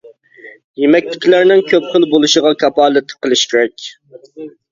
يېمەكلىكلەرنىڭ كۆپ خىل بولۇشىغا كاپالەتلىك قىلىش كېرەك.